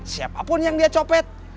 siapapun yang dia copet